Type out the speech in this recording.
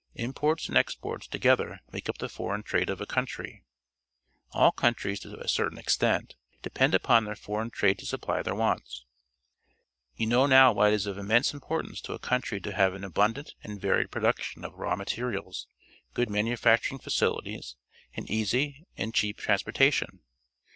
Imports and exports together make up the foreign trade of a country. All countries, to a certain extent, depend upon their foreign trade to supply their wants. LAND FORMS 27 You know now why it is of immense im portance to a country to have an abundant and \aried production of raw materials, good manufacturing facilities, and easy and cheap transportation.